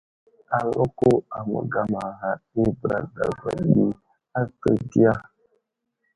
Akáwuro a məgamaghar i bəra dagwa ɗi atu diya ?